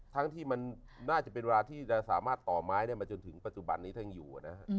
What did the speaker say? ทั้งที่มันน่าจะเป็นเวลาที่จะสามารถต่อไม้ได้มาจนถึงปัจจุบันนี้ท่านยังอยู่นะฮะ